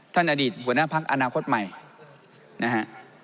อดีตหัวหน้าพักอนาคตใหม่นะฮะ